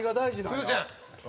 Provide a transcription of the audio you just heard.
澤部：すずちゃん。